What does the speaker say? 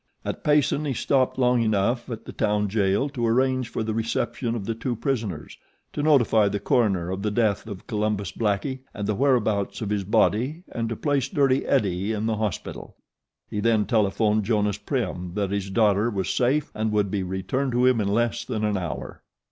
At Payson he stopped long enough at the town jail to arrange for the reception of the two prisoners, to notify the coroner of the death of Columbus Blackie and the whereabouts of his body and to place Dirty Eddie in the hospital. He then telephoned Jonas Prim that his daughter was safe and would be returned to him in less than an hour.